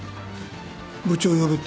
部長を呼べって？